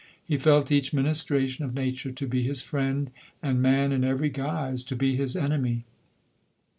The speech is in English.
He felt each ministration of nature to be his friend, and man, in every guise, to be his enemy.